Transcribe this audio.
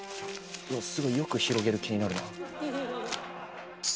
すぐよく広げる気になるな。